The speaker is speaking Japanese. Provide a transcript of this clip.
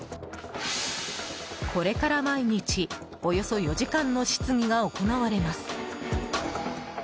これから毎日およそ４時間の質疑が行われます。